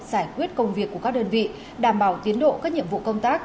giải quyết công việc của các đơn vị đảm bảo tiến độ các nhiệm vụ công tác